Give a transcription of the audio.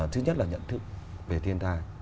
thứ nhất là nhận thức về thiên tai